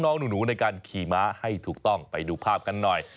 น้องหนูในการขี่ม้าให้ถูกต้องไปดูภาพกันหน่อย